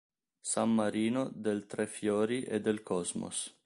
San Marino, del Tre Fiori e del Cosmos.